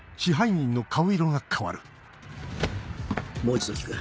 もう一度聞く。